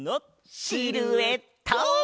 シルエット！